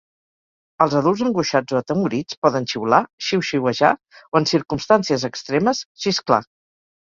Els adults angoixats o atemorits poden xiular, xiuxiuejar, o en circumstàncies extremes, xisclar.